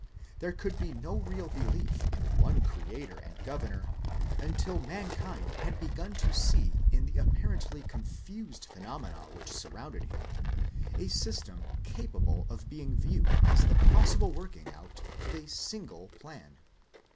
There could be no real belief in one Creator and Governor until mankind had .begun to see in the apparently confused phenomena which sur rounded them, a system capable of being viewed as the possible working out of a single plan.